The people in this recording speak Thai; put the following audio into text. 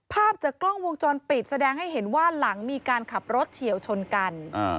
ภาพจากกล้องวงจรปิดแสดงให้เห็นว่าหลังมีการขับรถเฉียวชนกัน